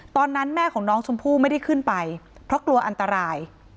ตอนนั้นแม่ของน้องชมพู่ไม่ได้ขึ้นไปเพราะกลัวอันตราย